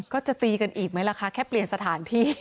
ก็จะตีกันอีกไหมล่ะคะแค่เปลี่ยนสถานที่